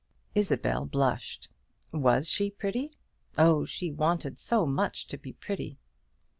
Isabel blushed. Was she pretty? Oh, she wanted so much to be pretty!